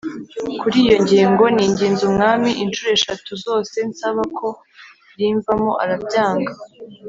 Kuri iyo ngingo ninginze Umwami incuro eshatu zose nsaba ko rimvamo arabyanga